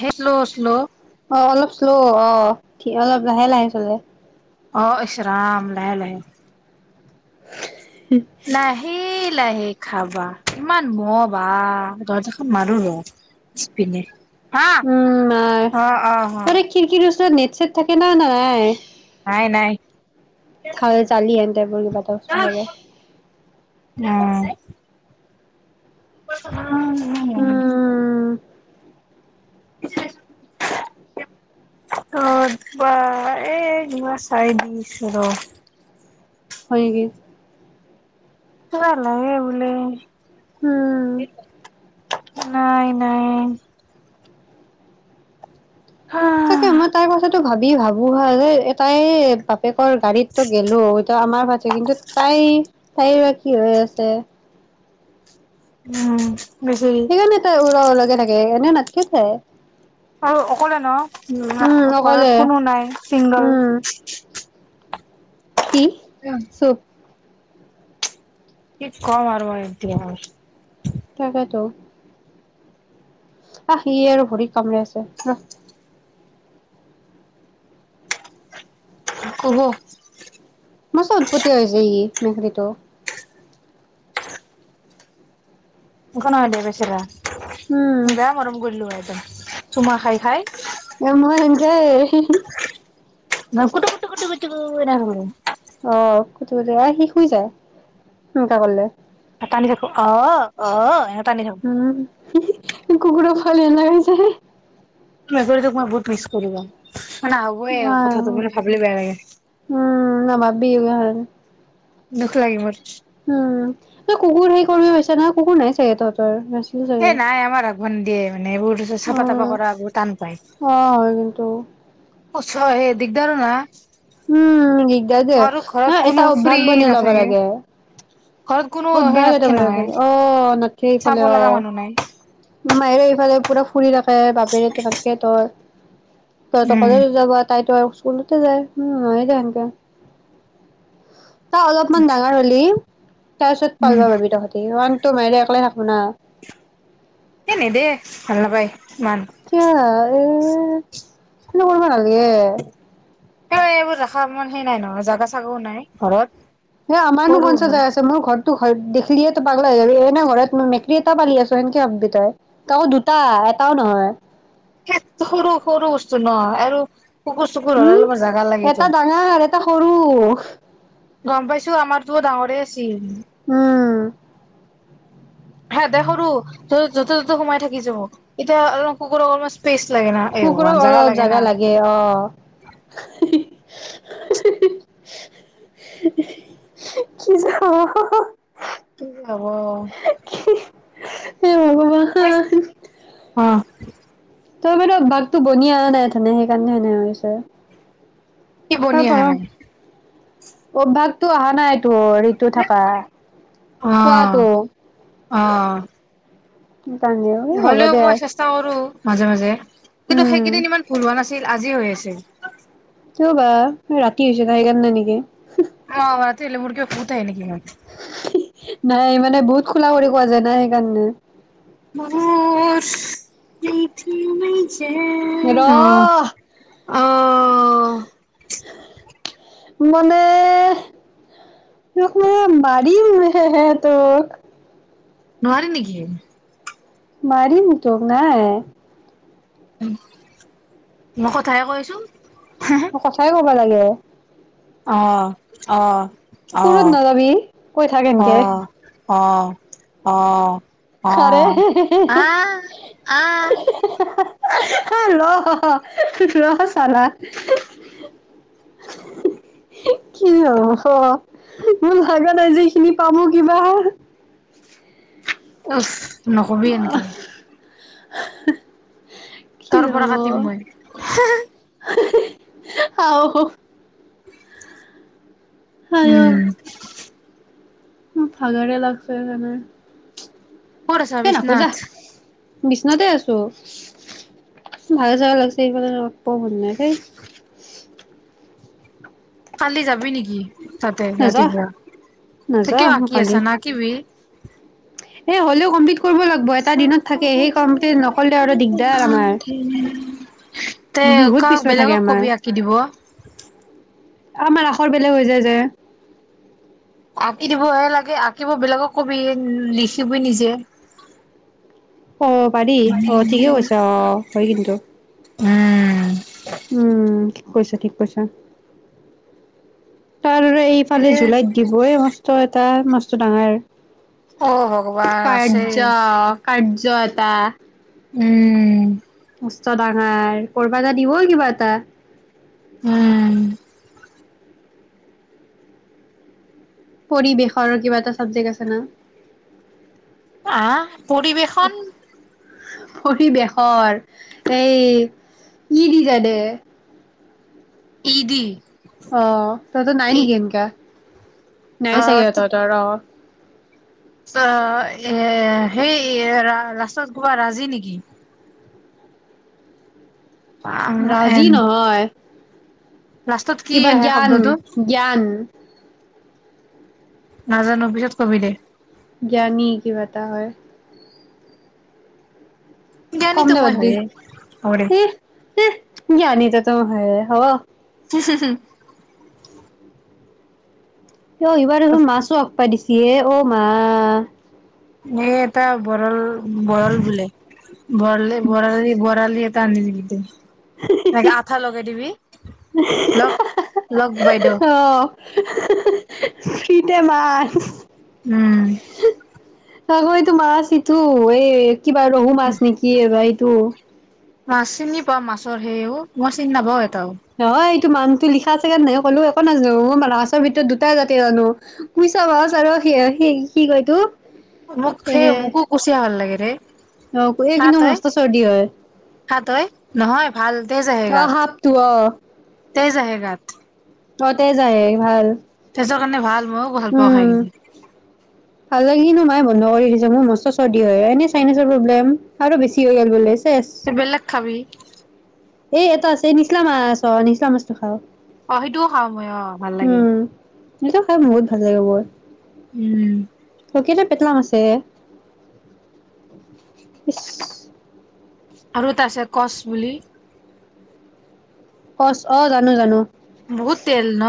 হে slow slow অ অলপ শ্ল' অ' অলপ লাহে লাহে চলে। অ' ইছৰাম লাহে লাহে। [unintelligible] লাহে খাবা, ইমান মহ বা, দৰ্জাখন মাৰো ৰ' পিছপিনে। হা উম অ অ অ [unintelligible] খিৰকিৰ ওচৰত নেত ছেট থাকে না নাই। নাই -নাই অ [unintelligible] [unintelligible] উম', অ', বা এ ', কিবা চাৰি দিন দিছে ৰ ', হয় নেকি? চোৱা লাগে বোলে। উম', নাই- নাই তাকে, মই তাৰ মাজতো ভাবি -ভাবো হা, যে তাই বাপেকৰ গাড়ীততো গেলো এইটো আমাৰ পাছে কিন্তু তাই, তাইৰ বা কি হৈ আছে। উম, বেচেৰি সেইকাৰণে তাই উলাও- উলাও কে, - থাকে এনে নাথকে তাই। আৰু অকলে ন', উম, ঘৰত কোনো নাই চিংগল। উম কি? চুট কি কম আৰু মই এতিয়া? তাকেটো। আহ, ' সি আৰু ভৰিত কামৰে আছে ৰ ', কুহু, মৎ্চ উৎপত্তিয়া হৈ আছে ই মেকৰিতু। একো নহয় দে বেচেৰা, উম বেয়া মৰম কৰিলো হয় একদম চুমা খাই - খাই। ধেই, হি -হি ন', কুতু -কুতু -কুতু-কুতু কৈ থাকো। অহ, কুতু - কুতু অহ ', সি শুই যায় সেনেকা কৰলে। টানি থাকো অহঃ -অহঃ হে, উম', হি- হি -ই কুকুৰৰফালে উলাই যায়। তোৰ মেকুৰীতোক মই বহুত মিছ কৰো ৰ, ' ৱাইহো উম, নাভাব্বি এগলাখান। হম, দুখ লাগে মোৰ। উম', নহয় কুকুৰ সেই কমে হৈছে ন', কুকুৰ নাই চাগে তহঁতৰ? চাগে সেই নাই আমাৰ, গনদিয়ে, মানে এইবোৰ তাৰপিচত চাফা- তাফা উম কৰা বহুত টান পায়। অ হয় কিন্তু সঁচা এ দিগদাৰো না, দিগদাৰি দে, আৰু ঘৰত নহয় কোনো এটা ফ্ৰী অভ্যাস বনাই লব নাথাকে লাগে, ঘৰত কোনো সেই অভ্যাস এটা নাথকে বনাব নহয় লাগে অ', নাথকে চাব এইফালে লগা অ', মানুহ নাই মায়েৰে এইফালে, পূৰা। ফুৰি থিখে তাকেই তেনেকে তই। উম তহঁতৰফালে যাব তাইতো আৰু। স্কুলতে যায়। উম হয় এনকা। তই অলপমান ডাঙৰহলি। তাৰ পিছত উম পালা পাৰিবা পাৰি তহঁতি কাৰন তোমি একেলে থাক। শুনা। এনে দেই ভাল নাপায় ইমান কিয় এ। [unintelligible] উয়ে। এ এইবোৰ ৰখা মন হে নাই নহয় জাগা চাগাও নাই ঘৰত। এ আমাৰনো সৰু কঞ্চা ঘৰ যাগা আছে মোৰ ঘৰত। ঘৰত দেখিলিয়ে পাগলা হৈ যাবি এ ন ঘৰত মেকুৰী এটা পালি আছো। সেনকে ভাবিবি তই তাকো দুটা এটাও নহয়। সে সৰু সৰু বস্তু নহয় আৰু। কুকুৰ চকুৰ হলে উম অলপমান জাগা এটা লাগেতো ডাঙৰ এটা সৰু গম পাইছো আমাৰতো ডাঙৰে আছিল। [unintelligible] হে এটা সৰু। যতে ততে সোময় থাকি যাব এতিয়া কুকুৰ অকন স্পেছ। কুকুৰক অলপ জাগা লাগে অ। হি হি। হি হি হি হি কিযে হ'ব হ হ। কিযে হ'ব। এই বাবা [unintelligible] [unintelligible] তই বাৰু বাঘটো বনি অহা নাই অধনি সেইকাৰণে এনে হৈছে। কি আৰু বনি পাৰ আহা নাই? অভ্যাসটো আহা নাই অ ঋতু থাকা, কোৱাটো। অ অ অ হ'লেও হ'বদে মই চেষ্টা কৰো মাজে মাজে-। কিন্তু সেইকেইদিন ইমান ভুল হোৱা নাছিল। ছিল আজিও হৈ আছে। কিয় বা ৰাতি হৈছে না সেইকাৰণে নেকি। অহ বাত তই আহিলে মোৰ কিবা ভুত আহে নেকি? ইয়াত নাই মানে বহুত খুলা কৰি কোৱা যায় না সেইকাৰণে মনুস পৃথিৱী ৰ ছেঙ অহ অহ মানেহ [unintelligible] মাত দিম হে হে তক নোৱাৰি নেকি? মাৰিম অহ তক নাই। [unintelligible] মই কথাহে কৈছোঁঙ। ‌ সঁ সঁচাই ক'ব লাগে [unintelligible] অহ অহ‌ সুৰত নাযাবি কৈ থাক এনকে অহ অহ খৰে হে হে হে‌ সি আহ সি হে হে। হি হি ৰহ ৰহ চালা, কি হ'ব মোৰ ভাগত আজি এখিনি পাবো কিবা হে হে উফ নকবি এনকে হে হি তাৰ পৰা কাটিম মই। হে হে অহ হঅ [unintelligible] আই অ উম ভাগৰে লাগছে সেইকাৰণে ক'ত আছা এ নাখোজা বিচনাত? বিচনাতে আছো ভাগৰ চাগৰ লাগিছে সিফালে লগ মন নাই দেই কালি যাবি নেকি? তাতে নাযাওঁ ৰাতিপুৱা তই নাযাওঁ কিয় আঁকি আছা নাকিবি। এহ হ'লেও কম্পিলিত নকৰিলে আৰু দিগদাৰ আমাৰ [unintelligible] তে বিহুত কাক পিছুৱাই থাকে বেলেগক আমাৰ কবি আঁকি দিব? আমাৰ আখৰ বেলেগ হৈ যায় যে আঁকি দিবহে লাগে আঁকিব বেলেগক কবি লিখিবি নিজেই অ পাৰি অ ঠিকেই কৈছে অ হয় কিন্তু উম উম কৈছা ঠিক কৈছা তাৰ এইফালে এ জুলাইত দিবই মস্ত এটা ম [inaudible] ডাঙৰ অ ভগৱান আছে কাৰ্য [inaudible] উম মষ্ট ডাঙৰ কৰবা এটা দিব কিবা এটা উম পৰিৱেশৰ কিবা এটা চাবজেক্ট আছে না আহ পৰিৱেশন পৰিৱেশৰ এই কি দি জানে ঈ দি অ সিহঁতৰ নাই নেকি এনকা নাই চাগে আহ সিহঁতৰ ৰ এ সেই লাষ্টত গবা ৰাজি নেকি ৰাজি এন নহয় লাষ্টত কি কিবা আহে জ্ঞান শব্দটো জ্ঞান নাজানো পিছত কবি দে জ্ঞানী কিবা এটা হয়। কম জ্ঞানীতো দে মই বাদ দি হয়ে হ'ব দে ইহ, সিহ। জ্ঞানী ত'তো ম‌ই হয়ে হব। [inaudible] অ', এইবাৰ আৰু মাছো একসোপা দিছি। ইয়ে ও মা। ইয়ে এটা বৰল। বৰল বোলে বৰলে বৰালি বৰালি এট। তান [unintelligible] লগ লগ বাইদেউ [unintelligible] অ'। [unintelligible] ফ্ৰীতে মাছ। উম। [unintelligible] মাছ ইটো এ। কিবা ৰহু মাছ নেকি এ ভাই এইটো। হে অ', ম‌ই চিন নাপাওঁ এ নহয়। মানুহটো লিখা আছেগে নাই ক'লো একো নাজানো মই মাছৰ ভিতৰত দুটাই জাতি জানো, কুইছা মাছ আৰু সিয়ে সি কি কয় ইটো মোক সেই মোকো কুচিয়া ভাল লাগে। হে অ', এই কিন্তু মস্ত চৰ্দি হয়। খা তই নহয়। ভাল তেজ আহে অ গাত, সাপটো অ তেজ আহে গাত। তহঁতে যায় ভাল। তেজৰ কাৰণে ভাল ময়ো ভাল পাওঁ খাই কিনে। কিনো মাই বন্ধ কৰি দিছে মোৰ মস্ত চৰ্দি হয় এনে চাইনাচৰ প্ৰব্লেম আৰু বেছি হয় ইয়াৰ বোলে ত বেলেগ খাবি। এ, এটা আছে, এই নিচলা মাছ অ, নিচলা মাছটো খাও। অ সেইটোও খাওঁ মই অ ভাল লাগে উম, সেইটো খাই বহুত ভাল লাগে বৰ উম। অহ কেলে পেটলা মাছে ইছ আৰু এটা আছে কচ বুলি। কচ অহ জানো জানো। বহুত তেল ন।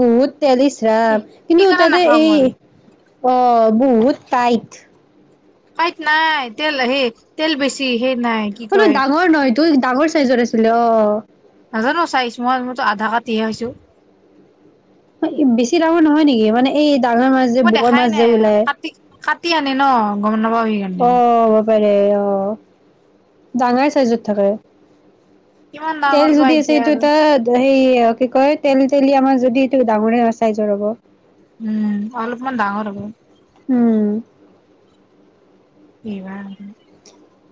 বহুত তেল ইচ ৰাম কিন্তু সেইকাৰণে তাতে নাখাও এই মই অহ। বহুত কাইত। কাইত নাই তেল হে তেল বেছি সেই নাই কি কয় তই ডাঙৰ চাইজৰ আছিলে অ নাজানো চাইছ মই মইতো আধা কাটিহে খাইছো বেছি ডাঙৰ নহয় নেকি মানে এই ডাঙৰ মাছ যে মই বুকৰ দেখাই মাছ যে নাই ওলাই কাটি কাটি আনে ন গম নাপাবি তেন্তে অ অ বাপাৰে ডাঙাই চাইজত থাকে কিমান তেল ডাঙৰ বা যদি আছে এতিয়া সেইটো আৰু ত এই কি কয় তেল তেলিয়া মাছ যদি এইটো ডাঙৰে চাইজৰ হব উম অলপমান ডাঙৰ হ'ব উম এইবাৰ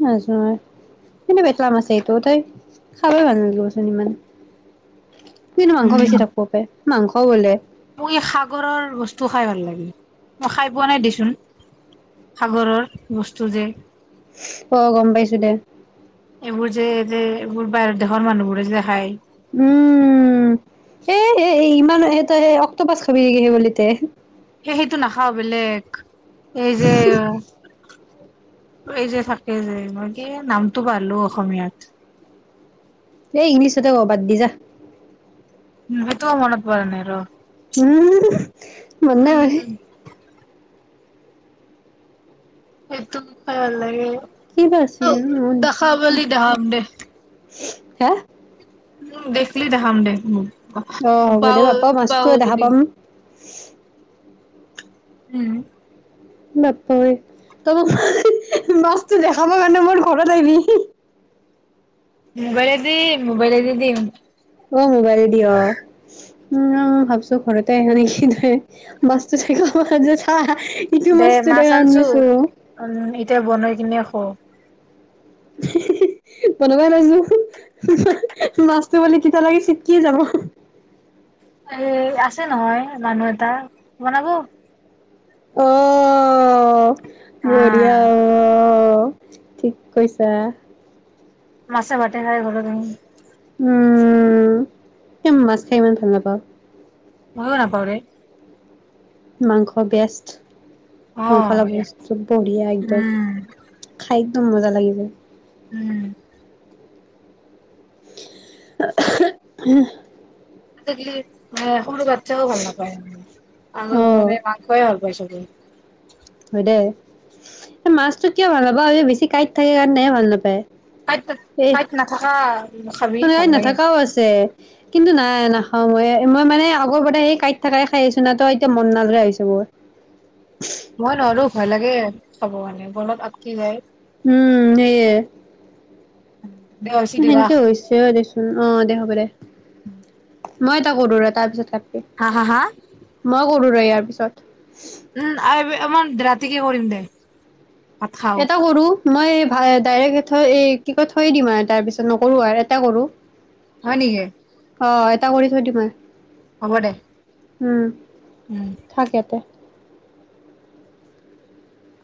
নাজনো নহয় কিন্তু পেটলা মাছ এইটোত এই খাবই ভাল নালাগিবচোন ইমান কিন্তু মাংস উম বেছি থাকিব পাৰে মাংস বলে। মোক ই সাগৰৰ বস্তু খাই ভাল লাগে। মই খাই পোৱা নাই দেচোন সাগৰৰ বস্তু যে। অ গম পাইছো দে। এইবোৰ যে যে এইবোৰ বাহিৰত দেখৰ মানুহবোৰে যে খায়। উম সেই ইমান এ অক্টোপাচ খবি নেকি হেই বুলি তে? সেই সেইটো নাখাও বেলেগ। এই যে এই যে থাকে যে, মই কি নামটো পাহৰিলোঁ অসমীয়াত। এই ইংলিছতে ক', বাদ দি যা উ সেইটোও মনত পৰা নাই ৰ। উম [inaudible] মানে [inaudible] উম সেইটো খাই ভাল লাগে। কি বা আছিল ত খাবলী [unintelligible] দে হে? উম দেখলি দেখাম দে। অ হ'ব দে পাও বাপা পাও মাছটো দেখা যদি পাম। [unintelligible] উম। নাপাওয়ে ত মোক মাছটো দেখাব কাৰণে মোৰ ঘৰত আহিবি। বৰ দি। মোবাইলেৰে দিম। অ মোবাইলে দি অ। উ ভাবছো ঘৰতে আহে নেকি তই। নে মছটো চাই যে চা [inaudible] দে মাছটো মাছ দেখা আনছো আনিছো উম এতিয়া বনাই কিনে খৌ। [unintelligible] বনাবাই লৈছো মাছটো ম তিত লাগে চিটকে যাব। এ আছে নহয় মানুহ এটা বনাব। অ বঢ়িয় আহ অ। ঠিক কৈছা। মাছে ভাতে খাই গলো তুমি। উম স মাছ খাই ইমান ভাল নাপাওঁ। মইও নাপাওঁ ৰে মাংস বেষ্ট। মাংস লা অ', এয়া বস্তু বহিয়া একদম উম, খাই। মজা লাগি যাই। উম। উ [inaudible] হ [unintelligible] আগ্লি অ। স গাতও ভাল নাপায় আৰু অ', মানে মাংসে ভাল পায় চব। হয় দে মাছতো কিয় ভাল নাপা আৰু বেছি কাঁইট থাকে কাৰণেে ভাল নাপায়। কাই কাইট নথকা। মানেই নাথকাও আছে কিন্তু নাই ন। অ মই মই মানে আগৰ পৰা সেই কাঁট থাকাইে খাই আছো ন তো এতিয়া মন নাজৰে হৈছে বোৰ। মই নোৱাৰো ভয় লাগে। হব মানে বনত আটকি যায়। উম সেই। দে হৈছে দে সেনেকে ৰাখ হৈছে অ দেচোন আহ দে হ'ব দে। মই এটা কৰো তাৰ পিছত। হা হা হা। ইয়াৰ পিছত। তিকে কৰিম দে। ভাত খাওঁ এটা কৰো। মই ডাইৰেক্ট থ কি ক থৈ দিম আৰু তাৰ পিছত নকৰো আৰু এটা কৰো। হয় নেকি। অ এটা কৰি থৈ দি মই। হব দে। উম। উম। থাক ইয়াতে।